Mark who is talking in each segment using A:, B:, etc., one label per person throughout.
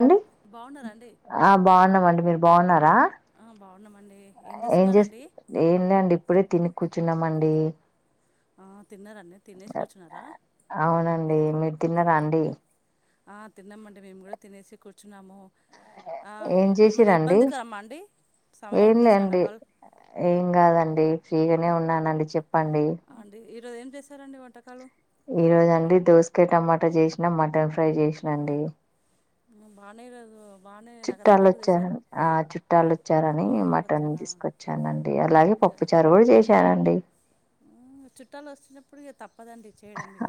A: అండి
B: బాగున్నారా అండి
A: ఆ బాగున్నామండి మీరు బాగున్నారా రా
B: ఆ, బాగున్నామండి
A: ఏం చేస్
B: చేస్తున్నారండి
A: ఏంలే అండి ఇప్పుడే తిని కూర్చున్నామండి
B: తిన్నారాండి తినేసి కూర్చున్నారా
A: తిన్నరాండి
B: ఆ తిన్నమండి మేము కూడా తినేసి కూర్చు న్నాము ఆ
A: ఏం
B: ఏమన్నా
A: చేసిరండి
B: ఇబ్బందికరమా అండి
A: ఏం
B: సమయానికి చేశానా
A: లేండి
B: కాల్
A: ఏం కాదండి ఫ్రీగానే ఉన్నానండి చెప్పండి
B: అండి ఈరోజు ఏం చేశారండి వంటకాలు
A: ఈ రోజు అండి దోసకాయ్ టమాటా చేసినా మటన్ ఫ్రై చేసినాండి
B: నే బానేరదు
A: చుట్టాలు వచ్చార ఆ చుట్టాలు వచ్చారని
B: చుట్టాలు
A: మటన్
B: వచ్చారా
A: తీసుకొచ్చానండి అలాగే
B: ఇదే
A: పప్పు చారు కూడా చేశానండి
B: ఆ చుట్టాలు వస్తు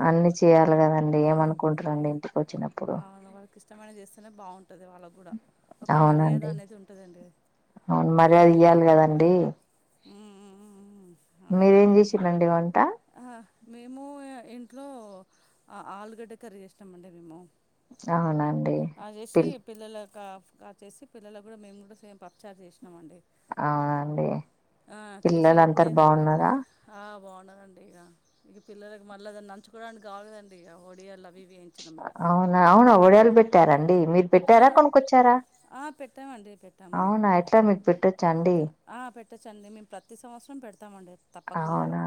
A: అన్ని చేయాలి కదండి
B: ఆ,
A: ఏమనుకుంటారండి ఇంటికి వచ్చినప్పుడు
B: మనం చేస్తేనే బాగు
A: అవునండి
B: ఉంటుందండి
A: అవును మర్యాద ఇయాలి కదండి
B: ఉమ్మ్ మ్మ్ అవును
A: మీరేం
B: కదండి
A: చేసిరండి వంట
B: ఆ మేము ఇంట్లో ఆ ఆలుగడ్డ కర్రీ చేసామండి మేము
A: అవున అండి పిలి
B: పిల్లల ఆ చేసి పిల్లలకు కూడా మేము కూడా సేమ్ పప్పు చారు చేసినామండి
A: అవున అండి
B: ఆ చేసి కతే ఆ బా ఆ ఉన్నదండి ఇక ఇక పిల్లలకి మళ్ళీ అ నంచుకోవడానికి కావల కదండి ఇక ఒడియలు అవి ఇవి వేయించినాం ఇక
A: అవునా అవునా ఒడియాలు పెట్టారండి మీరు
B: ఆ
A: పెట్టారా కొనుకొచ్చారా
B: ఆ, పెట్టామండి పెట్టాము
A: అవునా ఎట్లా మీకు పెట్టొచ్చా అండి
B: పెట్టచ్చు అండి మేం ప్రతి సంవత్సరం పెడతామండి తప్పకుండా
A: అవునా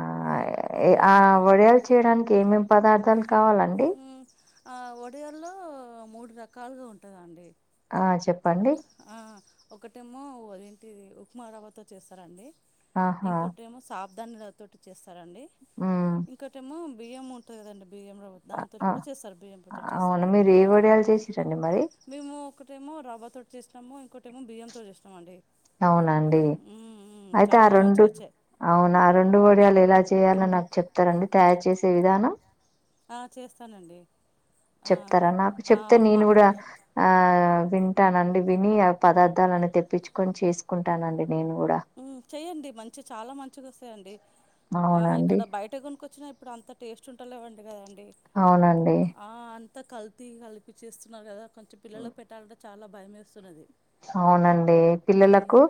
B: మ్మ్
A: ఆ వడియాలు చేయడానికి ఏమేమి పదార్థాలు కావాలండి
B: మ్మ్ ఆ వడియల్లో మూడు రకాలుగా ఉంటదండి
A: ఆ చెప్పండి
B: ఒకటేమో అదేంటి ఉప్మా రవ్వతో చేస్తారండి
A: ఆహా
B: ఇంకోటి ఏమో సాప దాన్నిలోతోటి చేస్తారండి
A: ఉమ్
B: ఇంకోటేమో బియ్యం ఉంటది కదండి బియ్యం
A: అ-
B: దాంతోటి
A: అ-
B: కూడా చేస్తారు బియ్యం తోటి కూడా
A: అవును
B: చేస్తారండి
A: మీరు ఏ వడియాలు చేసిరండి మరి
B: మేము ఒకటేమో రవ్వ తోటి చేసినాము ఇంకోమో బియ్యంతోటి చేస్తామండి
A: అవునా అండి అయితే ఆ
B: చాలా
A: రెండు
B: మంచిగా వచ్చాయి
A: అవునా ఆ రెండు ఒడియాలు ఎలా చేయాలని నాకు చెప్తారా తయారు చేసే విధానం
B: ఆ చేస్తానండి ఆ
A: చెప్తారా నాకు
B: ఆ
A: చెప్తే నేను
B: మా
A: కూడా ఆ వింటానండి విని ఆ పదార్థాలని తెప్పించుకొని చేసుకుంటానండి నేను కూడా
B: చెయ్యండి మంచి చాలా మంచిగా వస్తాయండి ఆ
A: అవునండి
B: ఇక్కడ బయట కొన్ కొచ్చిన ఇప్పుడుంత టేస్ట్ ఉంటలేవు అంట కదండి
A: అవునండి
B: అంత కల్తీ కలిపి చేస్తున్నారు కదా కొంచెం పిల్లలకి పెట్టాలంటే చాలా భయం వేస్తున్నది
A: అవునండి పిల్లలకు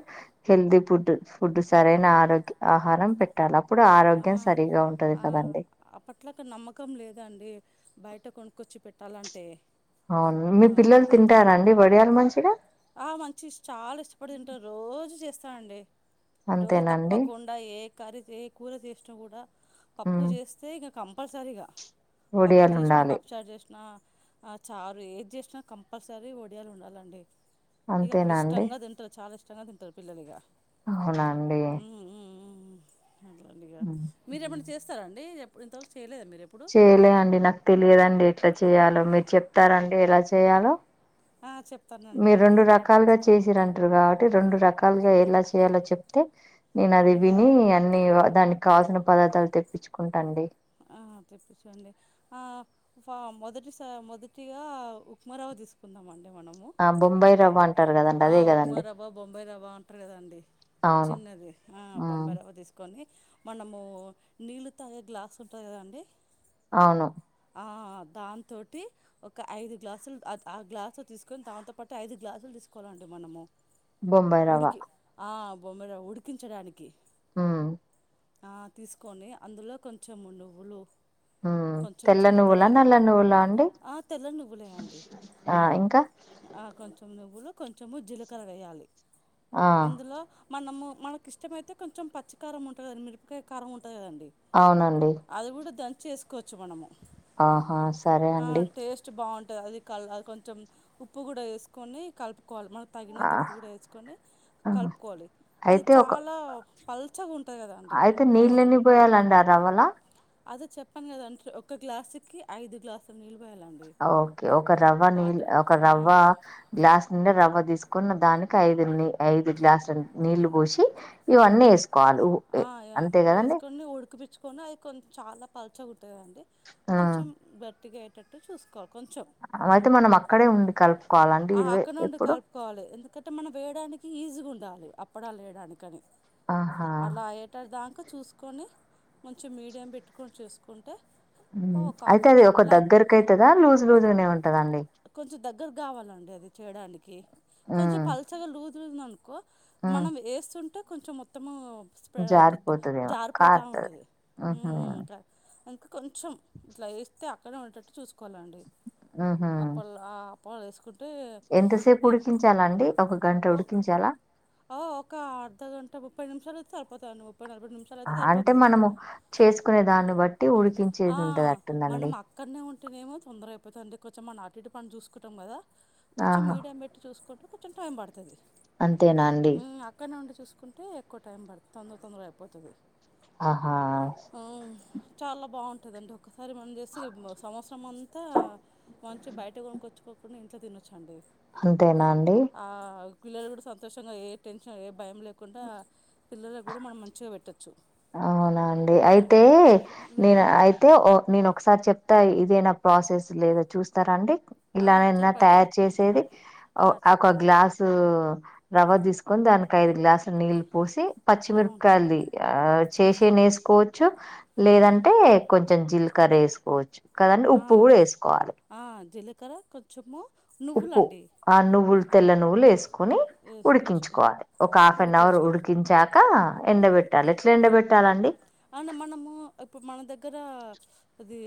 A: హెల్తీ ఫుడ్ ఫుడ్ సరైన ఆరోగ్య ఆహారం పెట్టాలి అప్పుడు
B: ఆ!
A: ఆరోగ్యం సరిగా ఉంటది
B: ఆ!
A: కదండి
B: అప్పట్లక నమ్మకం లేదండి. బయట కొనుక్కొచ్చి పెట్టాలంటే
A: అవును మీ
B: ఆ!
A: పిల్లలు
B: అంత్
A: తింటారండి వడియలు మంచిగా
B: ఆ మంచి చాలా ఇష్టపడి తింటరు రోజు చేస్త అండి రోజు
A: అంతేనండి
B: తప్పకుండా ఏ కర్రీ ఏ కూర చేసినా కూడా పప్పు
A: ఉమ్
B: చేస్తే ఇగ కంపల్సరీగా పప్పు
A: వడియాలు
B: చేసినా
A: ఉండాలి
B: పప్పుచారు చేసినా ఆ చారు ఏది చేసినా కంపల్సరీ ఒడియాలు ఉండాలండి ఇగ అప్పుడు
A: అంతేనా అండి
B: ఇష్టంగా తింటారు చాలా ఇష్టంగా తింటారు పిల్లలు ఇగ
A: అవునాండి
B: అట్లండి ఇగ మీరు ఏమనా చేస్తారా అండి ఇంతవరకు చేయలేదా మీ
A: చేయలే అండి నాకు తెలియదండి ఎట్లా చెయాలో మీరు చెప్తారండి ఎలా చేయాలో
B: ఆ, చెప్తానండి
A: మీరు రెండు
B: ఒకసారి చెప్
A: రకాలుగా చేసిరంటారు కాబట్టి రెండు రకాలుగా ఎలా చేయాలో చెప్తే నేను అది విని అన్ని దానికి కాల్సిన పదార్థాలు తెప్పించుకుంటాండి
B: ఆ ఆ తెప్పిచండి ఆ ఫా మొదటిస మొదటిగా ఉప్మా రావా తీసుకుందామ
A: ఆ బొంబాయి రవ్వ అంటారు కదండి అదే కదండి
B: ట్టారు కదండి
A: అవును
B: చిన్నది ఆ
A: ఉమ్
B: బొంబాయిరావ తీసుకొని మనము నీళ్ళు తాగే గ్లాస్ ఉంటది కదండి
A: అవును
B: ఆ దాంతోటి ఒక ఐదు గ్లాసులు ఆ గ్లాసు తీసుకొని దాంతోపాటు ఐదు గ్లాసులు తీసుకోవాలండి మనము
A: బొంబాయి రవ్వ
B: ఉడికి ఆ బొంబాయిరవ్వ ఉడికించడానికి
A: ఉమ్మ్
B: ఆ తీసుకొని అందులో కొంచెం నువ్వులు
A: ఉమ్మ్
B: కొంచెం
A: తెల్ల నువ్వులా నల్ల
B: జీలకర్ర
A: నువ్వులా అండి
B: ఆ తెల్ల నువ్వులే అండి
A: ఆ ఇంకా
B: ఆ కొంచెం నువ్వులు కొంచెము జీలకర వేయాలి
A: ఆ
B: అందులో మనము మనకి ఇష్టమైతే కొంచెం పచ్చికారం ఉంటది కదా మిరపకాయ కారం ఉంటది కదండి
A: అవునండి
B: అది కూడా దంచి ఏసుకోవచ్చు మనము
A: ఆహా సరే అండి
B: టే అది కొంచె ఉప్పు కూడా ఏసుకొని కలుపు కోవాలి మనకు
A: ఆ
B: తగినంత ఉప్పు కూడా ఏసుకొని
A: ఆ.
B: కలుపుకోవాలి అది
A: అయితే ఒక
B: చాలా పల్చగా ఉం టది కదా అంటే
A: అయితే
B: ఉప్మా రవ్వ
A: నీళ్ళని పోయాలండి ఆ రవ్వల
B: అదే చెప్పను కదా అంటే ఒక గ్లాసుకి ఐదు గ్లాసుల నీళ్ళు పోయాలండి
A: ఓకే ఒక రవ్వ నీళ్ళు ఒక రవ్వ
B: వాటర్
A: గ్లాస్ నిండ రవ్వ తీసు కున్న దానికి ఐదు ఐదు గ్లాసులు నీళ్లు పోసి ఇవన్నీ ఎసుకోవాలి అంతే కదండి
B: కొని అది కొం చాలా పల్చగా ఉంటది కదండీ
A: హ్మ్.
B: కొంచెం గట్టిగ అయ్యేటట్టు చూసుకోవాలి కొంచెం
A: అలా అయితే మనం అక్కడే ఉండి కలపు
B: ఆ అక్కడ్నే ఉండి కలుపుకోవాలి ఎందుకంటే మనం వేయడానికి ఈజీగా ఉండాలి అప్పడలేేయడాని కాని
A: ఆహా
B: అలా అయ్యేటదాంక చూసుకొని కొంచెం మీడియం పెట్టుకొని చేసుకుంటే
A: ఉమ్మ్
B: ఒక
A: అయితే
B: హాఫ్
A: అది
B: అన్
A: ఒక
B: అవర్లో అయిపో
A: దగ్గరకి అయితదా లూజ్ లూజ్గానే ఉంటదండి
B: కొంచెం దగ్గర కావాలండి అది చేయడానికి కొంచెం పల్చగా లూజ్ లూజు ఉందనుకో మనం ఏస్తుంటే కొంచెం మొత్తము స్ప్రె అంతా
A: జారిపోతుదేమో
B: జారిపోతా
A: కారుతది
B: ఉంటది
A: ఉహు
B: ఉమ్మ్ ఉమ్మ్ రై ఇంక కొంచెం ఇట్లా ఏస్తే అక్కడే ఉండేటట్టు చూసుకోవాలండి
A: ఉహు
B: అప్పలా పోన్లేఎసుకుం
A: ఎంతసేపు ఉడికించాలండి ఒక గంట ఉడికించాలా
B: ఓ ఒక అర్ధ గంట ముప్పై నిమిషాలు అయితే సరిపోతది ను
A: అంటే మనము చేసుకునే దాన్ని బట్టి ఉడికించేది ఉంటది అటుందండి
B: తినేమో తొందర అయిపోతంది కొంచెం అటు ఇటు పని చూసుకుంటం కదా కొంచెం
A: ఆహా
B: మీడియం పెట్టి చూసుకుంటే కొంచెం టైం పడతది
A: అంతేనా అండి
B: మ్ అక్కన్నే ఉండి చూసుకుంటే ఎక్కువ టైం పడదు తొందర తొందర అయిపోతుంది
A: ఆహా
B: చాలా బావుంటదండి ఒక్కసారి మనం చేసి సంవత్సరం అంతా మంచిగా బయట కొనుకొచ్చు పోని ఇంట్లో తినొచ్చండి
A: అంతేనా అండి
B: ఆ పిల్లలు కూడా సంతోషంగా ఏ టెన్షన్ ఏ భయం లేకుండా పిల్లలకు కూడా మనం మంచిగా పెట్టొచ్చు
A: అవునాండి అయితే నేను అయితే ఒ నేను ఒకసారి చెప్తా ఇదేనా ప్రాసెస్ లేదా చూస్తారా అండి ఇలా అన్న
B: చెప్పండి
A: తయారు
B: వింట్
A: చేసేది ఒ
B: ఆ!
A: ఒక
B: చెప్పండి
A: గ్లాసు రవ్వ తీసుకొని దానికి ఐదు గ్లాసుల నీళ్ళు పోసి పచ్చి
B: అవును
A: మిరపకాయల్ది ఆ చేసి నే ఎసుకోవచ్చు
B: ఆ!
A: లేదంటే కొంచెం జీలకర్ర ఎసుకోవచ్చు కద అండి ఉప్పు కూడా ఎసుకోవాలి
B: చక్కెర కొంచెము
A: ఉప్పు
B: నువ్వులండి
A: ఆ నువ్వులు తెల్ల నువ్వులు ఎస్కొని
B: వేసుకోవచ్చు
A: ఉడికించుకోవాలి ఒక హాఫ్ అన్ అవర్
B: ఉడికించుకోవాలి
A: ఉడికించాక ఎండబెట్టాలి ఎట్లా ఎండబెట్టాలండి
B: అన మనము ఇప్పుడు మన దగ్గర ఇది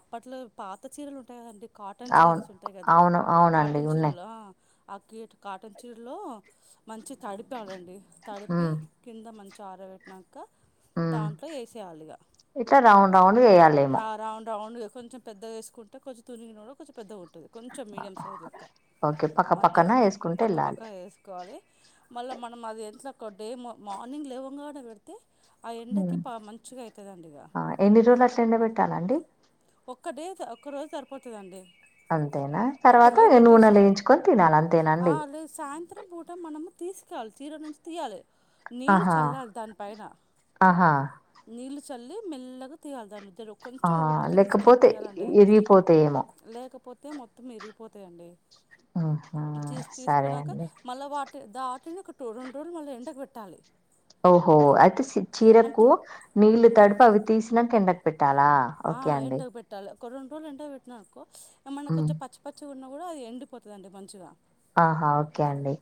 B: అప్పట్లో పాత చీరలు ఉంటాయి కదండి కాటన్
A: అవును
B: శారీస్ ఉంటాయి కదా
A: అవును అవునండి
B: కాటన్
A: ఉన్నాయి
B: చీరలు ఆ ఆ కీ కాటన్ చీరలో మంచి తడిపాలండి తడిపి
A: ఉమ్
B: కింద మ చ ఆరబెట్టినంక
A: ఉమ్
B: దాంట్లో ఎసేయాలి ఇగ
A: ఇట్లా రౌండ్ రౌండ్ ఎయాలేమో
B: రౌండ్గా కొంచెం పెద్దగా ఎసుకుంటే కొంచెం తునిగిన కూడా కొంచెం పెద్దగా ఉంటుంది కొంచెం మీడియం సైజ్ లెక్క
A: ఓకే పక్క
B: మధ్య
A: పక్కన వేసుకుంటూ
B: పక్క పక్క
A: వెళ్ళాలి
B: వేసుకోవాలి మళ్ళా మ మనం అది ఎ ఒక డే మార్నింగ్ లేవంగానే అది పెడితే ఆ ఎండకి ప మంచిగా అవుతుందండి ఇక
A: ఎన్ని రోలు అట్ట ఎండ పెట్టాలండి
B: ఒక్క డే ఒక్క రోజు సరిపోతదండి
A: అంతేనా
B: ఒక
A: తర్వాత
B: రోజు పెట్టేసి
A: నూనెలో వేయించుకొని తినాలి
B: ఆ
A: అంతేనండి
B: లేదు సాయంత్రం పూట మనము తీస్ చాల్ చీర నుంచి తీయాలి నీళ్ళ
A: ఆహా
B: చల్లాలి దాని పైన
A: ఆహా
B: నీళ్ళు చల్లి మెల్లగా తీయాలి దాన్ని ఇద్దరు
A: ఆ
B: కొంచెం ఒ
A: లేకపోతే ఇరిగిపోతయేమో
B: లేకపోతే ఇరిగిపోతాయండి
A: ఉహు
B: తీస్
A: సరే
B: తీసుకున్నాక
A: అండి
B: మళ్ళీ వాటి దాటిని టూ రెండు రోలు మళ్ళీ ఎండకు బెట్టాలి
A: ఓహో అయితే
B: అంటే
A: చీరకు నీళ్ళు తడిపి అవి తీసినాక ఎండ పెట్టాలా
B: ఆ,
A: ఓకే అండి
B: ఎండకు పెట్టాలి ఒక రెండు రోలు ఎండ పెట్టినా అనుకో మనకు
A: హ్మ్.
B: వచ్చే పచ్చి పచ్చి ఉన్న కూడా అది ఎండిపోతదండి మంచిగా
A: ఆహా ఓకే అండి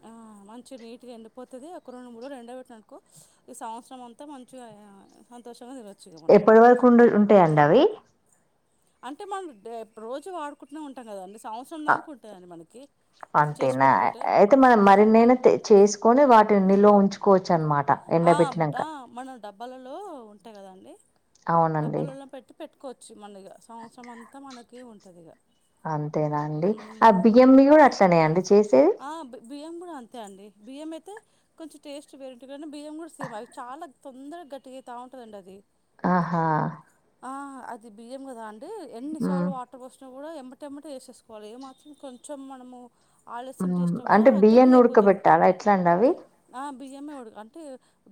B: మంచి నీట్గా ఎండిపోతది ఒక రెండు మూడ్రోలు ఎండ పెట్టిన అనుకో ఈ సంవత్సరం అంతా మంచిగా సంతోషంగా తినొచ్చు
A: ఎప్పటి వరకు ఉండు ఉంటాయండి అవి
B: అంటే మనం డే రోజు వాడుకుంట్నే ఉంటాం కదండి సంవత్సరం
A: అ
B: దాకా ఉంటాదండి మనకి చేసి
A: అంతేనా
B: పెట్టుకుంటే
A: అయితే మనం
B: ఆ,
A: మరి నేను తే చేసుకొని వాటిని నిలువ ఉంచుకోవచ్చు అనమాట
B: ఆ,
A: ఎండబెట్టినాక
B: ఆ, మనం డబ్బాలలో ఉంటాయి కద అండి
A: అవునండి.
B: డబ్బాలలో పెట్టి పెట్టుకోవచ్చు మన సంవత్సరం అంతా మనకి ఉంటుందిగ
A: అంతేనా అండి ఆ బియ్యం ని కూడా అట్లనేండి చేస్
B: ఆ బియ్యం కూడా అంతే అండి బియ్యం అయితే కొంచెం టేస్ట్ వేర్ ఉన్ నేను బియ్యం కూడా సేమ్ అవి చాలా తొందరగా గట్టిగైతా ఉంటుందండి అది
A: అహ
B: ఆ అది బియ్యం కదా అండి ఎన్నిసార్లు
A: హ్మ్.
B: వాటర్ పోసిన కూడా ఎంబటెంబటె ఎసేసుకోవాలి ఏమాత్రం కొంచెం మనము ఆలస్యం
A: హ్మ్.
B: చేసినా కూడా
A: అంటే
B: గట్టిగా
A: బియ్యాన్ని
B: అయిపోతది
A: ఉడకబెట్టాలా? ఎట్లా అండి అవి?
B: ఆ బియ్యమే ఉడు అంటే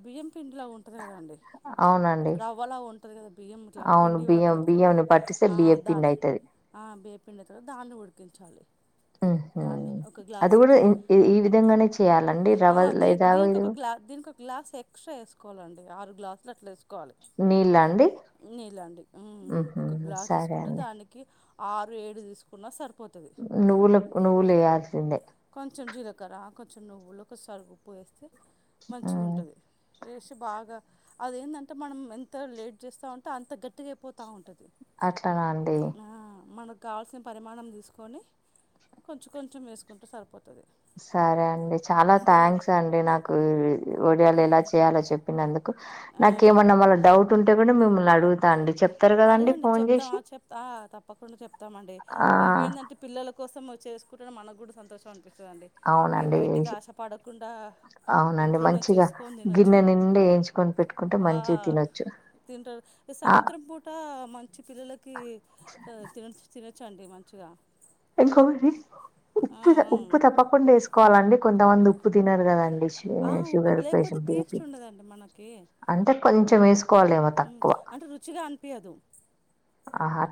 B: బియ్యం పిండి లా ఉంటది కదా అండి
A: అవునండి.
B: రవ్వలా ఉంటుంది కదా బియ్యం ఇట్లా
A: అవును.
B: పిండి
A: బియ్యం
B: పడుతుంది కదా
A: బియ్యంని పట్టిస్తే
B: ఆ
A: బియ్యపిండి
B: దాన్ని
A: అయితది.
B: ఆ బియ్యం పిండి తోని దాన్ని ఉడికించాలి
A: ఉహు
B: దాన్ని ఒక
A: అది కూడా
B: గ్లాసుకి
A: ఇ ఈ విధంగానే చేయ్యాలండి
B: ఆ
A: రవ
B: దీ
A: లేదా ఇది
B: దీనికి ఒక గ్లా ఎక్స్ట్రా ఎసుకోవాలండి ఆరు గ్లాసులు అట్ల ఏసు కోవాలి
A: నీళ్ళ అండి
B: నీళ్ళ అండి ఊ
A: ఉహూ
B: ఒక గ్లాస్
A: సరే
B: తీసుకుంటే
A: అండి
B: దానికి ఆరు ఏడు తీసుకున్నా సరి
A: నూలఎక్కు నువులేయాల్సిందే
B: చుంచు జీలకర్ర కొంచెం నువ్వులు కొసాలు ఉప్పు వేస్తే
A: హ్మ్
B: మంచిగుంటది వేసి బాగా అదేందంటే మనం ఎంత లేట్ చేస్తా ఉంటే అంత గట్టిగా అయిపోతా ఉంట
A: అట్లనా అండి
B: కాల్సిన పరిమాణం తీసుకొని కొంచెం కొంచెం వేసుకుంటె సరిపోతది
A: సరే అండి చాలా థ్యాంక్స్ అండి నాకు ఒడియాలు ఎలా చేయాలో చెప్పినందు నాకేమన్నా మళ్ళ డౌట్ ఉంటే కూడా మిమ్మల్ని అడుగుతా అండి చెప్
B: అడగండి చెప్తాం చెప్తా ఆ తప్పకుండా చెప్తామండి
A: ఆ
B: ఇవేందంటే పిల్లల కోసం చేసుకుంటేనె మన కూడా సంతోషం అనిపి వస్తదండి ఇగ
A: అవునండి
B: బయటికి ఆశపడకుండా ఇంట్లోనే చేసుకొని తినొచ్చు
A: ఎంచుకొని పెట్టుకుంటే మంచిగ తినొచ్చు
B: తింటరు
A: ఆ
B: సాయంత్రం పూట్ ట మంచి పిల్లలకి తినచ్ తినచ్చండి మంచిగా ఆ,
A: ఉప్పు
B: ఆ.
A: ఉప్పు తప్ప కొండ ఎస్ కోవాలండి కొంతమంది ఉప్పు తినరు కదండి చి
B: ఆ, ఉప్పు
A: షుగర్ కంచం
B: లేకపోతే
A: బి పి
B: టేస్ట్ ఉండదండి మనకి
A: అంటే కొంచం ఏసు
B: అంటే రుచిగా అనిపియదు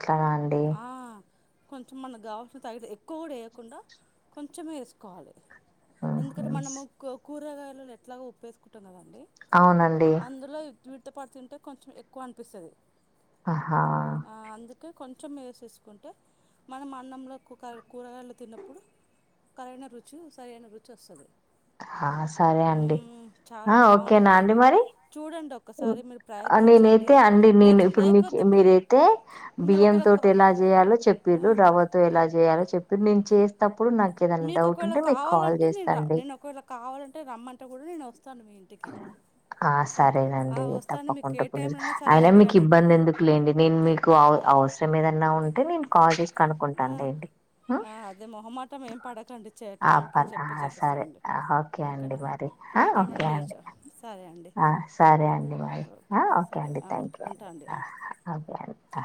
A: అట్లనా అండి
B: కొంచెం మనకు కావాల్సిన తగిత ఎక్కువ కూడా ఎయకుండా కొంచెం ఏసుకోవాలి
A: ఉహు.
B: ఎందుకంటే మనము కూరగాయల ఎట్లాగొ ఉప్పేసుకుంటాం కద
A: అవునండి
B: విడితో పడుతుంటే కొంచెం ఎక్కువ అనిపిస్తది
A: అహ
B: కొంచెం ఎసేసుకుంటే మనం అన్నంలో కు కూరగాయలు తిన్నప్పుడు కరైన రుచు సరైన రుచి వస్తది
A: హహ సరే అండి
B: చాలా
A: ఆ ఓకేనా అండి
B: బాగుంటుందండి
A: మరి
B: చూడండి ఒక్కసారి మీరు ప్రయత్నించండి
A: నేనైతే అండి
B: నే
A: నేను ఇప్పుడు మీక్
B: లేకపోతే మీ
A: మీరైతే
B: మీ
A: బియ్యం తోటి ఎలా చేయాలో చెప్పిరు
B: ఒకరి
A: రవతో ఎలా చేయాలో చెప్పి నేను చేస్తం
B: మీకు ఒకవేళ కావాలంటే నేను రా
A: చేస్తాండి
B: నేను ఒకవేళ కావాలంటే రమ్మంటే కూడా నేను వస్ తను మి ఇంటికి
A: ఆ
B: కంప
A: సరేనండి
B: వస్తాను మీకు ఏ
A: తప్పకుండా పిలు
B: టైంలోనా సరే
A: అయినా
B: అండి
A: మీకు
B: కానీ
A: ఇబ్బంది ఎందుకు లేండి నేను మీకు అవ సరం ఏదన్నా ఉ టే నేను కాల్ చేసి కనుకుంటానులేండి హు
B: అదే మొహమాటం ఏం పడకండి చే
A: ఆప
B: టైంకి
A: ఆ
B: చెప్పి
A: సరే
B: చేసేస్తానండి
A: ఆ ఓకే అండి
B: ఓకేనండి
A: మరి
B: ఏ
A: ఆ
B: టైం అయినా
A: ఓకే అండి
B: చేయొచ్చు సరే అండి
A: ఆ సరే అండి మరి
B: ఓకే సరే అడి ఉంటా ఉంటా అండి
A: అదే అయతా